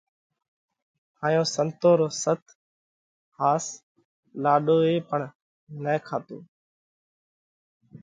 هائيون سنتون رو ست (ۿاس) لوڏو ئي پڻ نه کاتو۔